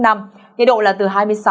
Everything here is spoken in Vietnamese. nhiệt độ là từ hai mươi sáu đến ba mươi ba độ